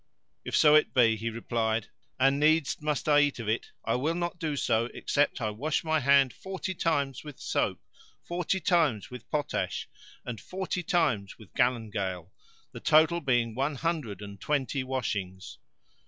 "If so it be," he replied, "and needs must I eat of it, I will not do so except I wash my hand forty times with soap, forty times with potash and forty times with galangale,[FN#555] the total being one hundred and twenty washings."